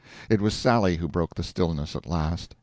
It was Sally who broke the stillness at last.